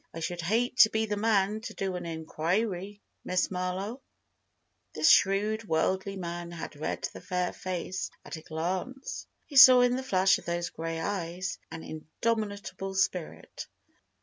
"I should hate to be the man to do you an injury, Miss Marlowe." This shrewd, worldly man had read the fair face at a glance. He saw in the flash of those gray eyes an indomitable spirit.